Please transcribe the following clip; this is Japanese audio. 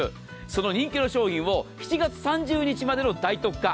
その人気の商品を７月３０日までの大特価。